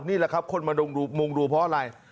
นี่แหละครับคนมามุงดูเพราะอะไร